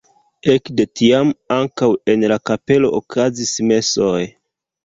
Ekde tiam ankaŭ en la kapelo okazis mesoj.